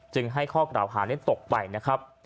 ให้ข้อกล่าวหานั้นตกไปนะครับ